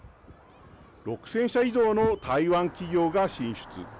６０００社以上の台湾企業が進出。